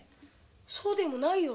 そうでもないよ。